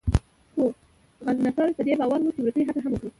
خو غضنفر په دې باور و چې وروستۍ هڅه هم وکړو.